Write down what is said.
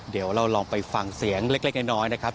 เดี๋ยวเราลองไปฟังเสียงเล็กน้อยนะครับ